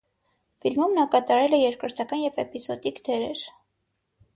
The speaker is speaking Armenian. Ֆիլմում նա կատարել է երկրորդական և էպիզոդիկ դերեր։